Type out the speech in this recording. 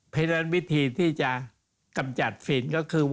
เพราะฉะนั้นวิธีที่จะกำจัดฟินก็คือ